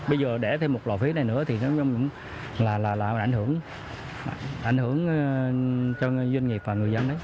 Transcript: bây giờ để thêm một lợi phí này nữa thì cũng là ảnh hưởng cho doanh nghiệp và người dân đấy